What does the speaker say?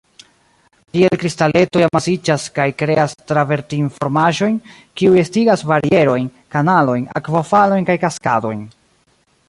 Tiel kristaletoj amasiĝas kaj kreas travertin-formaĵojn, kiuj estigas barierojn, kanalojn, akvofalojn kaj kaskadojn.